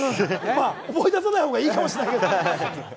まぁ、思い出さない方がいいかもしれないけど。